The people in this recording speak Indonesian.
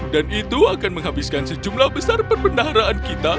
dan itu akan menghabiskan sejumlah besar perpendaharaan kita